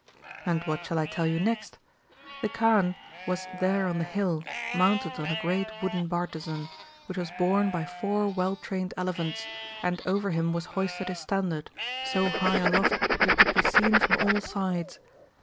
And what shall I tell you next ? The Kaan was there on the hill, mounted on a great wooden bartizan,^ which was borne by four well trained elephants, and over him was hoisted his standard, so high aloft that it could be seen from all sides.